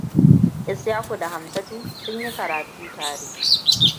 Ishaku da Hamsatu sun yi karatu tare.